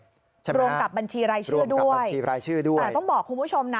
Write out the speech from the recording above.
รวมกับบัญชีรายชื่อด้วยต้องบอกคุณผู้ชมนะ